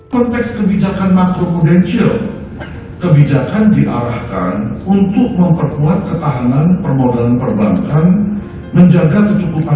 konteks kebijakan makroprudensial kebijakan diarahkan untuk memperkuat ketahanan permodalan perbankan